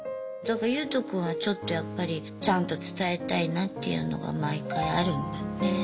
だからユウト君はちょっとやっぱりちゃんと伝えたいなっていうのが毎回あるんだね。